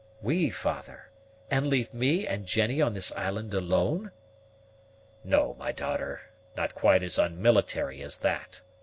"We, father! and leave me and Jennie on this island alone?" "No, my daughter; not quite as unmilitary as that.